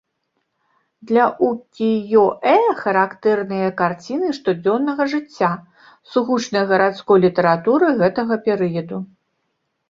Для укіё-э характэрныя карціны штодзённага жыцця, сугучныя гарадской літаратуры гэтага перыяду.